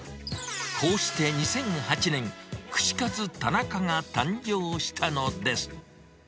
こうして２００８年、串カツ田中が誕生したのです。